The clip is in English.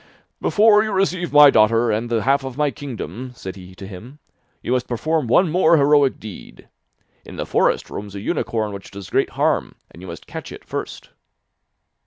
'Before you receive my daughter, and the half of my kingdom,' said he to him, 'you must perform one more heroic deed. In the forest roams a unicorn which does great harm, and you must catch it first.